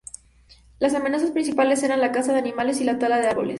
Las amenazas principales eran la caza de animales y la tala de árboles.